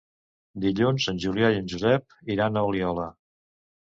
Dilluns en Julià i en Josep iran a Oliola.